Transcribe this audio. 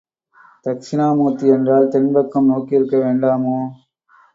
தக்ஷிணா மூர்த்தி என்றால் தென்பக்கம் நோக்கியிருக்க வேண்டாமோ?